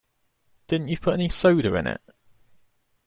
Didn't you put any soda in it?